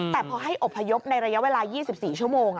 แต่พอให้อบพยพในระยะเวลา๒๔ชั่วโมง